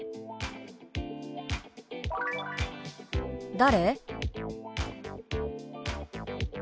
「誰？」。